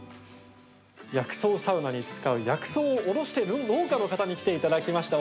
薬草サウナに使う薬草を卸している農家の方に来ていただきました。